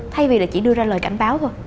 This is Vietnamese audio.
thay vì là chỉ đưa ra lời cảnh báo thôi